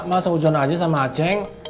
masa hujan aja sama acing